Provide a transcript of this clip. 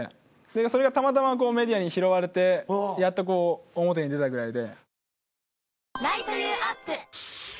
それがたまたまメディアに拾われてやっとこう表に出たぐらいで。